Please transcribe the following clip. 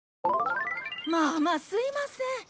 まあまあすいません。